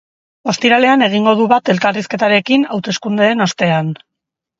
Ostiralean egingo du bat elkarrizketarekin, hauteskundeen ostean.